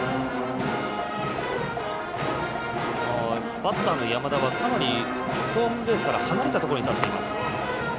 バッターの山田はかなりホームベースから離れたところに立っています。